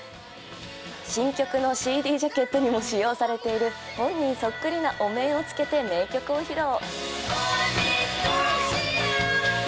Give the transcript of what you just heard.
新曲のＣＤジャケットにも使用されている本人そっくりなお面をつけて名曲を披露。